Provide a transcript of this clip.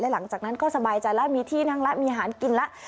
หลังจากนั้นก็สบายใจแล้วมีที่นั่งแล้วมีอาหารกินแล้ว